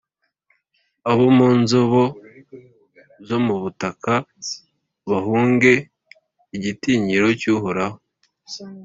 Abo mu nzobo zo mu butaka bahunge igitinyiro cy’Uhoraho